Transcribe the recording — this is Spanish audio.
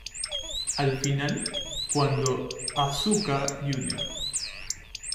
Al final, cuando Asuka Jr.